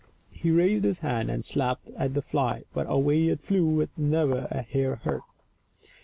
He raised his hand and slapped at the fly, but away it flew with never a hair hurt.